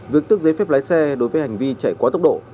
việc tước giấy phép lái xe đối với hành vi chạy quá tốc độ